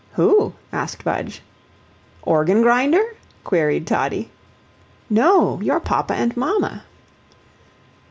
"Who?" asked Budge. "Organ grinder?" queried Toddie. "No, your papa and mamma."